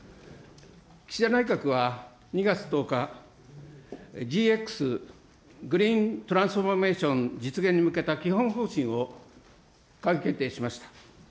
岸田内閣は、２月１０日、ＧＸ・グリーントランスフォーメーション実現に向けた基本方針を閣議決定しました。